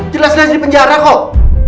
jelas jelas di penjara kok